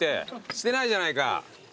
してないじゃないか。